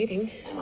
あ。